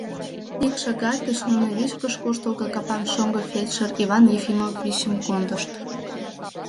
Ик шагат гыч нуно вичкыж куштылго капан шоҥго фельдшер Иван Ефимовичым кондышт.